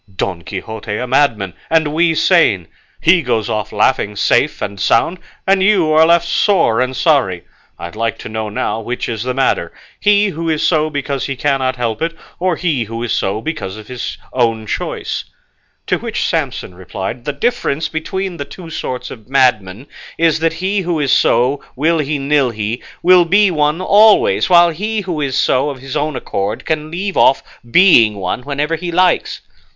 Don Quixote a madman, and we sane; he goes off laughing, safe, and sound, and you are left sore and sorry! I'd like to know now which is the madder, he who is so because he cannot help it, or he who is so of his own choice?" To which Samson replied, "The difference between the two sorts of madmen is, that he who is so will he nil he, will be one always, while he who is so of his own accord can leave off being one whenever he likes."